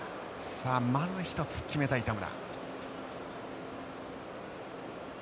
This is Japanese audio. さあまず一つ決めたい田村。